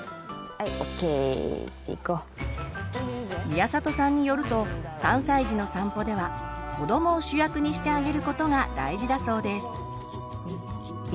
宮里さんによると３歳児の散歩では子どもを主役にしてあげることが大事だそうです。